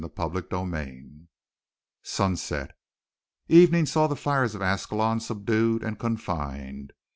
CHAPTER XXVIII SUNSET Evening saw the fires of Ascalon subdued and confined.